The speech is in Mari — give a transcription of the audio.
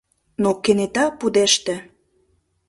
Но кенета пудеште!